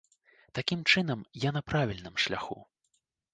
Такім чынам, я на правільным шляху!